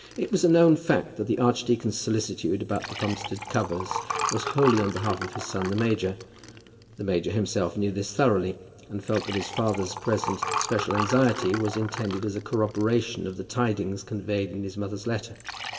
It was a known fact that the archdeacon's solicitude about the Plumstead covers was wholly on behalf of his son the major. The major himself knew this thoroughly, and felt that his father's present special anxiety was intended as a corroboration of the tidings conveyed in his mother's letter.